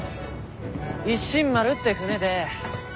一進丸って船で。